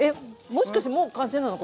もしかしてもう完成なの？